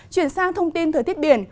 chuyển sang thông tin thời tiết biển